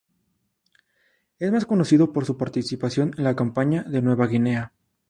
Es más conocido por su participación en la Campaña de Nueva Guinea.